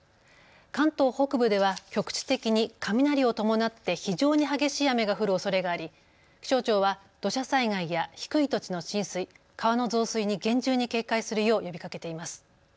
関東北部では局地的に雷を伴って非常に激しい雨が降るおそれがあり、気象庁は土砂災害や低い土地の浸水、川の増水に厳重に警戒するよう呼びかけています。